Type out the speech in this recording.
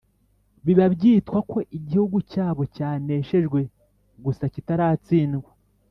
biba byitwa ko igihugu cyabo cyaneshejwe gusa, kitaratsindwa.